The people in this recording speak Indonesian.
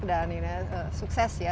dan sukses ya